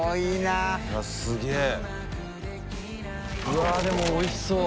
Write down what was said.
うわでもおいしそう。